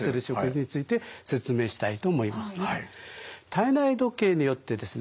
体内時計によってですね